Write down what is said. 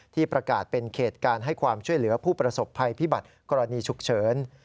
ที่ประกาศเป็นเขตการให้ความช่วยเหลือผู้ประสบภัยพิบัติกรณีฉุกเฉิน